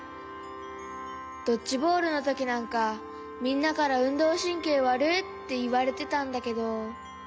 ドッジボールのときなんかみんなから「うんどうしんけいわるっ！」っていわれてたんだけど。